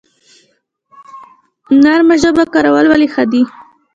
نرمه ژبه کارول ولې ښه دي؟